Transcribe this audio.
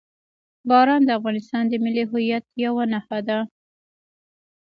باران د افغانستان د ملي هویت یوه نښه ده.